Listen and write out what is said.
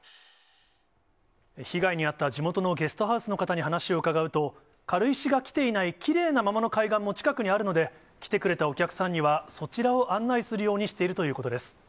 被害に遭った地元のゲストハウスの方に話を伺うと、軽石が来ていないきれいなままの海岸も近くにあるので、来てくれたお客さんには、そちらを案内するようにしているということです。